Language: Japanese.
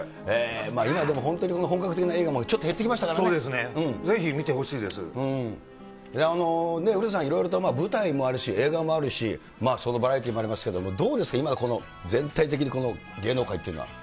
今でも本当に、本格的な映画も、そうですね、ぜひ見てほしい古田さん、いろいろと舞台もあるし、映画もあるし、バラエティーもありますけど、どうですか、今、この全体的に芸能界っていうのは。